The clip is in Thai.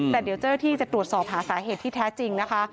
แต่เดี๋ยวเจ้าหน้าที่จะตรวจสอบหาสาเหตุที่แท้จริงนะคะ